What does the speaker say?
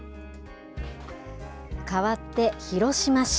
変わって広島市。